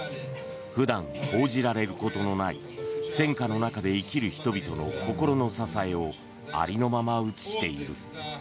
普段報じられることのない戦禍の中で生きる人々の心の支えをありのまま映している。